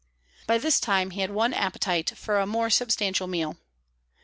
By this time he had won appetite for a more substantial meal.